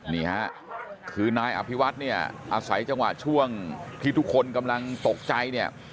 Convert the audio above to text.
นี่ฮะคือนายอภิวัฒน์เนี่ยอาศัยจังหวะช่วงที่ทุกคนกำลังตกใจเนี่ย